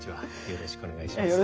よろしくお願いします。